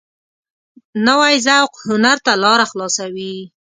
نوی ذوق هنر ته لاره خلاصوي